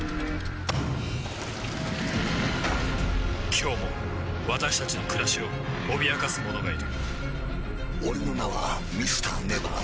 今日も私たちの暮らしを脅かすものがいる俺の名はＭｒ．ＮＥＶＥＲ。